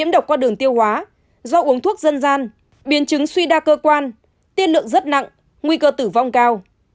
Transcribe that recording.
đọc qua đường tiêu hóa do uống thuốc dân gian biến chứng suy đa cơ quan tiên lượng rất nặng nguy cơ tử vong cao